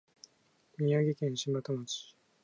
宮城県柴田町